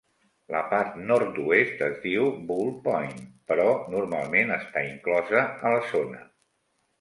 La part nord-oest es diu Bull Point, però normalment està inclosa a la zona.